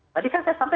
tadi kan saya sampai